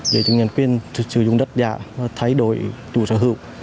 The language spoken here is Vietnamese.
để cho nhân quyền sử dụng đất giả thay đổi chủ sở hữu